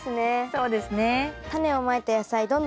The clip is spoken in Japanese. そうですね。